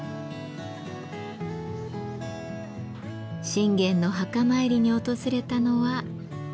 信玄の墓参りに訪れたのは。